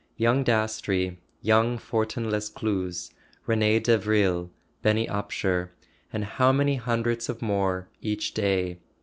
Young Dastrey, young Fortin Lescluze, Rene Davril, Benny Upsher—and how many hundreds more each day!